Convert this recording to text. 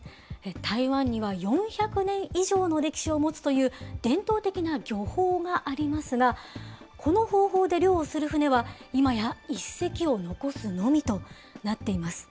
台湾には４００年以上の歴史を持つという伝統的な漁法がありますが、この方法で漁をする船は、いまや１隻を残すのみとなっています。